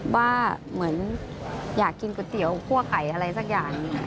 ว่าเหมือนอยากกินก๋วยเตี๋ยวคั่วไก่อะไรสักอย่าง